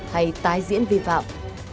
hay tái diễn vi phạm